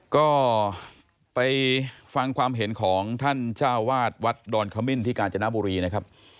ก็ไปฟังความเห็นของท่านเจ้าวาดวัดดอนขมิ้นที่กาญจนบุรีนะครับ